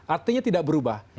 artinya tidak berubah